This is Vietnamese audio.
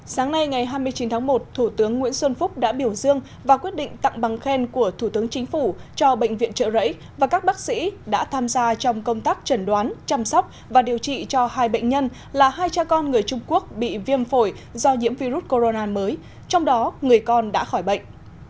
sáng nay ngày hai mươi chín tháng một thủ tướng nguyễn xuân phúc đã biểu dương và quyết định tặng bằng khen của thủ tướng chính phủ cho bệnh viện trợ rẫy và các bác sĩ đã tham gia trong công tác trần đoán chăm sóc và điều trị cho hai bệnh nhân là hai cha con người trung quốc bị viêm phổi do nhiễm virus corona mới trong đó người con đã khỏi bệnh